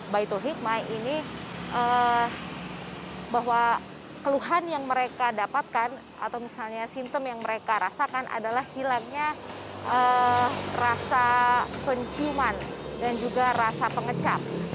baitul hikmah ini bahwa keluhan yang mereka dapatkan atau misalnya simptom yang mereka rasakan adalah hilangnya rasa penciuman dan juga rasa pengecap